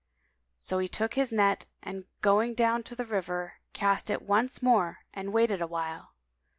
So he took his net and going down to the river, cast it once more and waited awhile.